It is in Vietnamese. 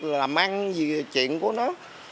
làm ăn gì chuyện của nó